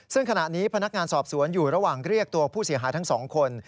ซึ่งขณะนี้พนักงานสอบสวนอยู่ระหว่างเรียกตัวผู้เสียหายทั้งสองคน